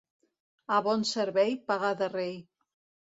A bon servei, paga de rei.